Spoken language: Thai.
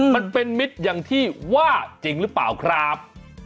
มันเป็นมิตรอย่างที่ว่าจริงหรือเปล่าครับ